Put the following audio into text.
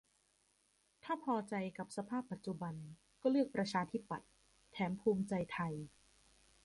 ถ้าพอใจกับสภาพปัจจุบัน ก็เลือกปชป. แถมภูมิใจไทย